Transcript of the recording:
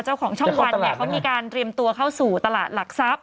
เจ้าของช่องวันเนี่ยเขามีการเตรียมตัวเข้าสู่ตลาดหลักทรัพย